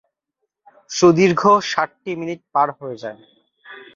সুদীর্ঘ ষাটটি মিনিট পার হয়ে যায়।